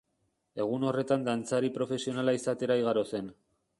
Egun horretan dantzari profesionala izatera igaro zen.